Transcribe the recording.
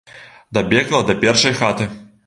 Дабегла да першай хаты.